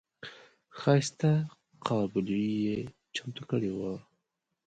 ښایسته قابلي یې چمتو کړې وه.